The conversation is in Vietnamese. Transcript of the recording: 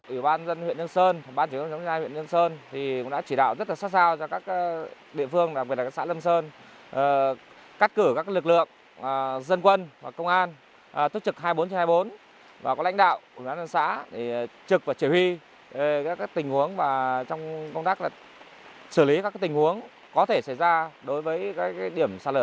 ủy ban dân huyện lâm sơn bán chủ đồng chống gia huyện lâm sơn đã chỉ đạo rất sát sao cho các địa phương đặc biệt là xã lâm sơn cắt cử các lực lượng dân quân công an tốt trực hai mươi bốn hai mươi bốn và có lãnh đạo của lãnh đạo xã